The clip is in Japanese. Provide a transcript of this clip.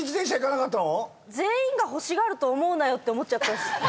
全員が欲しがると思うなよって思っちゃったんです。